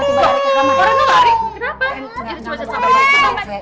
oh kenapa renate